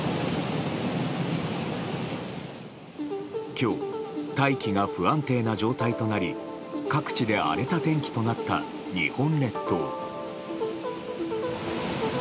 今日、大気が不安定な状態となり各地で荒れた天気となった日本列島。